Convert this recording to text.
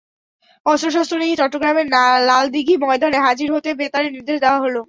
অস্ত্রশস্ত্র নিয়ে চট্টগ্রামের লালদীঘি ময়দানে হাজির হতে বেতারে নির্দেশ দেওয়া হলো।